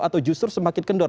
atau justru semakin kendor